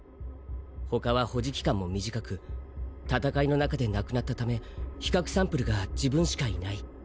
他は保持期間も短く戦いの中で亡くなった為比較サンプルが自分しかいない。